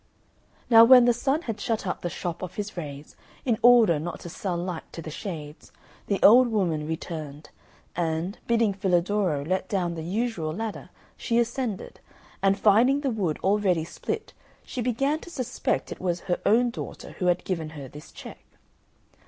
Now when the Sun had shut up the shop of his rays, in order not to sell light to the Shades, the old woman returned; and, bidding Filadoro let down the usual ladder, she ascended, and finding the wood already split she began to suspect it was her own daughter who had given her this check.